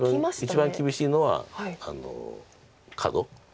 一番厳しいのはカド。